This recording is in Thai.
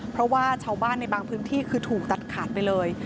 เพราะว่าชาวบ้านในบางพื้นที่คือถูกตัดขาดไปเลย